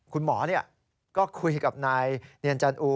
คุณหมอก็คุยกับนายเนียนจันอู